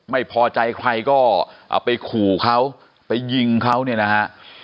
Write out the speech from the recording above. ไม่พอใจใครก็เอาไปขู่เขาไปยิงเขาเนี่ยนะฮะ